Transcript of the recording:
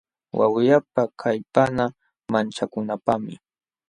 Wawyapa kallpanqa manchakunapaqmi.